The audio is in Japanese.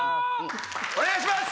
お願いします！